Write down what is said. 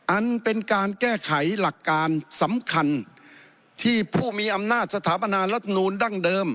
อันเป็นการแก้ไขหลักการสำคัญที่ผู้มีอำนาจสถาปนารัฐนูลดั้งเดิม